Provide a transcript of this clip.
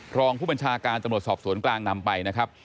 รองผู้บัญชาการตำรวจสอบสวนกลางนำไปนะครับ